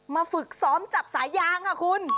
ฝึกซ้อมจับสายยางค่ะคุณ